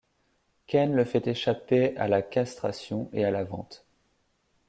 Ken le fait échapper à la castration et à la vente.